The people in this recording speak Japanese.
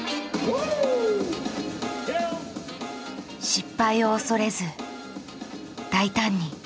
失敗を恐れず大胆に。